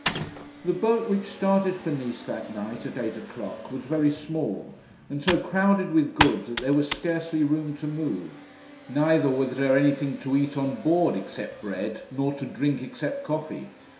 The Boat which started for Nice that night, at eight o'clock, was very small, and so crowded with goods that there was scarcely room to move; neither was there anything to cat on board, except bread; nor to drink, except coffee.